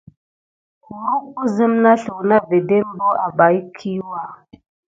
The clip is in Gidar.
Kurum ne sim na zliku na vedem ɓa a barkiwuka.